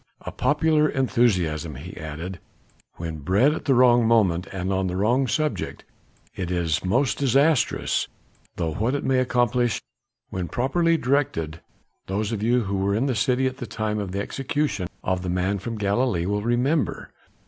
A popular enthusiasm," he added, "when bred at the wrong moment and on the wrong subject, is most disastrous; though what it may accomplish when properly directed, those of you who were in the city at the time of the execution of the man from Galilee will remember.